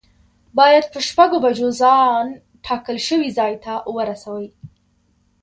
باید په شپږو بجو ځان ټاکل شوي ځای ته ورسوی.